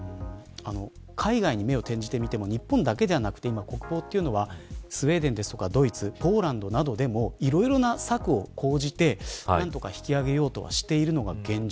海外に目を転じてみても日本だけではなくて今、国防というのはスウェーデンやドイツポーランドなどでもいろいろな策を講じて何とか引き上げようとしているのが現状。